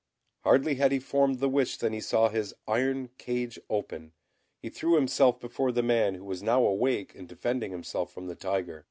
Hardly had he formed the wish, than he saw his iron cage open, he threw himself before the man, who was now awake and defending himself from the tiger.